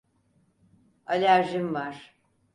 Alerjim var.